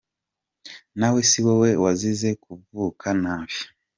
Nawe si wowe wazize kuvuka nabi.!